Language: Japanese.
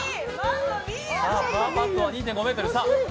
さあ、パーパットは２．５ｍ。